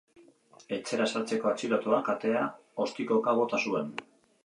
Etxera sartzeko atxilotuak atea ostikoka bota zuen.